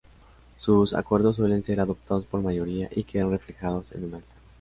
Sus acuerdos suelen ser adoptados por mayoría y quedan reflejados en un Acta.